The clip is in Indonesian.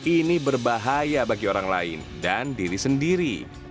ini berbahaya bagi orang lain dan diri sendiri